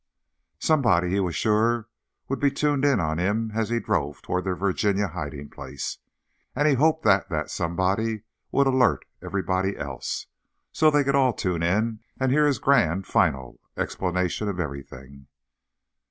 Somebody, he was sure, would be tuned in on him as he drove toward their Virginia hiding place. And he hoped that that somebody would alert everybody else, so they could all tune in and hear his grand final explanation of everything.